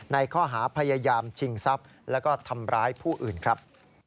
ในข้อหาพยายามชิงทรัพย์แล้วก็ทำร้ายผู้อื่นครับ